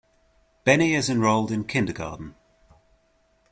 Benny is enrolled in kindergarten.